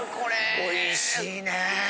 おいしいね。